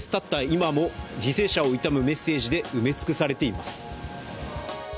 今も犠牲者を悼むメッセージで埋め尽くされています。